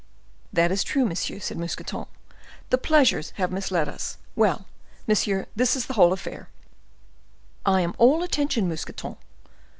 "That is true, monsieur," said Mousqueton; "the pleasures have misled us. Well, monsieur, this is the whole affair." "I am all attention, Mousqueton."